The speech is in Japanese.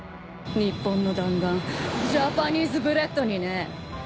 日本の弾丸ジャパニーズブレッドにね。